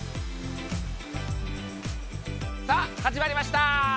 さあ始まりました！